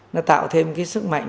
nó tạo thêm cái sức mạnh